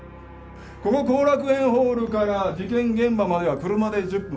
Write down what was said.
ここ後楽園ホールから事件現場までは車で１０分。